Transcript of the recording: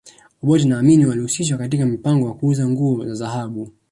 Obote na Amin walihusishwa katika mpango wa kuuza nguo za dhahabu